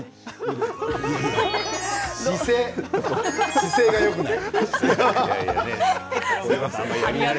姿勢がよくない。